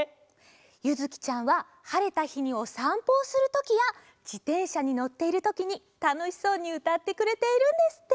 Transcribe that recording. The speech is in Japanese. ゆずきちゃんははれたひにおさんぽをするときやじてんしゃにのっているときにたのしそうにうたってくれているんですって。